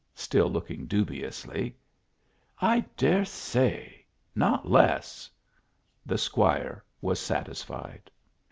still looking dubiously. " I dare say? not less." The squire was satisfied.